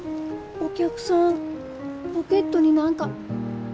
お客さんポケットに何か。